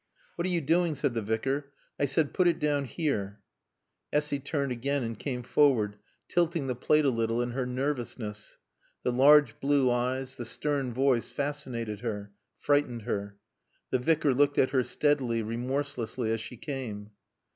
"What are you doing?" said the Vicar. "I said, Put it down here." Essy turned again and came forward, tilting the plate a little in her nervousness. The large blue eyes, the stern voice, fascinated her, frightened her. The Vicar looked at her steadily, remorselessly, as she came.